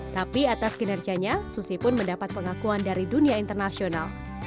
tapi atas kinerjanya susi pun mendapat pengakuan dari dunia internasional